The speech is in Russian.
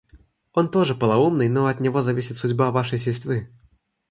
Он тоже полоумный, но от него зависит судьба вашей сестры.